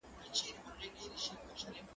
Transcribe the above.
هغه څوک چي بازار ته ځي سودا کوي،